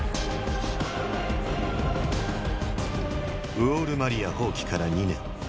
ウォール・マリア放棄から２年。